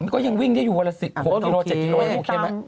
ก็ยังวิ่งได้อยู่กว่าละ๑๐๑๖กิโลเจ็ดกิโลเมตรโอเคไหม